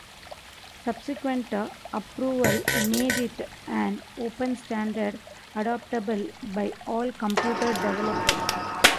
Subsequent approval made it an open standard adoptable by all computer developers.